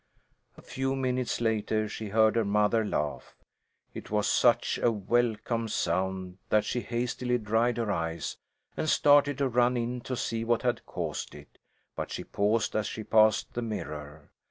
A few minutes later she heard her mother laugh. It was such a welcome sound, that she hastily dried her eyes and started to run in to see what had caused it, but she paused as she passed the mirror.